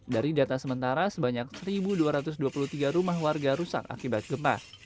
dari data sementara sebanyak satu dua ratus dua puluh tiga rumah warga rusak akibat gempa